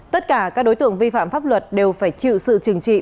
tất cả các đối tượng vi phạm pháp luật đều phải chịu sự trừng trị